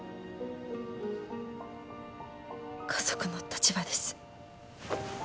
家族の立場です。